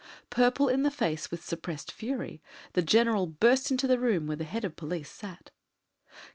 Purple in the face with suppressed fury, the General burst into the room where the head of the police sat.